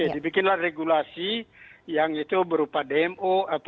dibikinlah regulasi yang itu berupa dmo